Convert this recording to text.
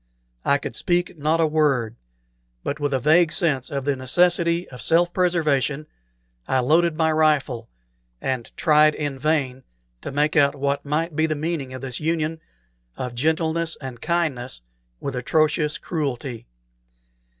I could not speak a word, but with a vague sense of the necessity of self preservation, I loaded my rifle, and tried in vain to make out what might be the meaning of this union of gentleness and kindness with atrocious cruelty.